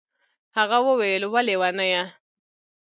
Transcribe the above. هغه وويل وه ليونيه.